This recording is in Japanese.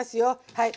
はい。